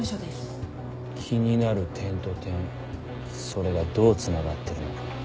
気になる点と点それがどうつながってるのか。